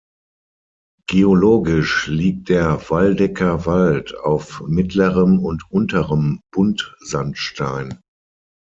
Geologisch liegt der Waldecker Wald auf Mittlerem und Unterem Buntsandstein.